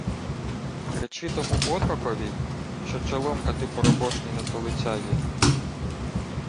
— Речи тому отрокові, що чоломкати поробошні не до лиця є.